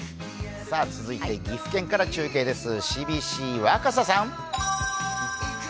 続いて岐阜県から中継ですＣＢＣ・若狭さん。